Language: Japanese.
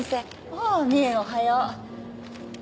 ああミウおはよう。